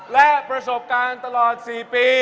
และประสบการณ์ตลอด๔ปี